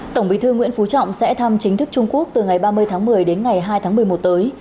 tổng bí thư nguyễn phú trọng sẽ thăm chính thức trung quốc từ ngày ba mươi tháng một mươi đến ngày hai tháng một mươi một tới